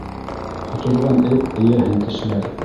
Ҡоторған эт эйәһен тешләр.